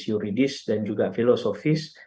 yuridis dan juga filosofis